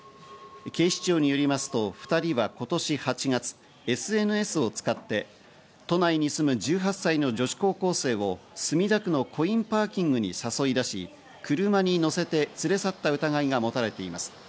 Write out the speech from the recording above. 警視庁によりますと２人は今年８月、ＳＮＳを使って都内に住む１８歳の女子高校生を墨田区のコインパーキングに誘い出し、車に乗せて連れ去った疑いが持たれています。